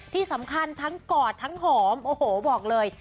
ที่สำคัญทั้งกอดทั้งหอมโอ้โหบอกเลย